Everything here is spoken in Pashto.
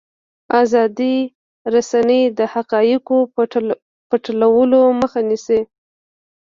ازادې رسنۍ د حقایقو پټولو مخه نیسي.